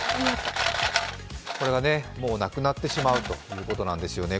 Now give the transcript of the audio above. これがもうなくなってしまうということなんですよね。